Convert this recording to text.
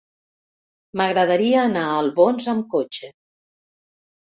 M'agradaria anar a Albons amb cotxe.